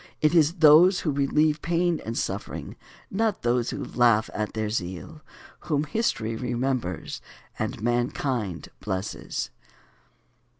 It is those who relieve pain and suffering, not those who laugh at their zeal, whom history remembers and mankind blesses.